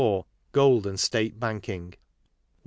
Gold and State Banking. 162.